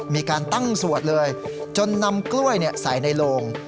มีการตั้งสวดเลยจนนำกล้วยใส่ในโลง